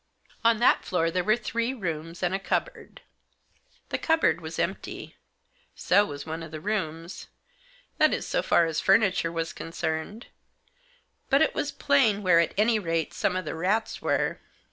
On that floor there were three rooms and a cup board. The cupboard was empty. So was one of the rooms ; that is, so far as furniture was concerned. But it was plain where, at any rate, some of the rats were.